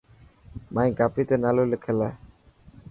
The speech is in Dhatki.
مائي ڪاپي تي نالو لکل هي.